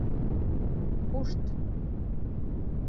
Пушт...